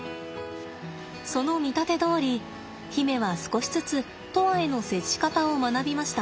その見立てどおり媛は少しずつ砥愛への接し方を学びました。